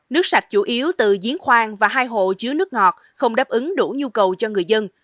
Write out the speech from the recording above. nước sạch chủ yếu từ diến khoang và hai hộ chứa nước ngọt không đáp ứng đủ nhu cầu cho người dân